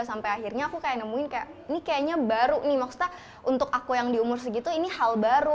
sampai akhirnya aku kayak nemuin kayak ini kayaknya baru nih maksudnya untuk aku yang di umur segitu ini hal baru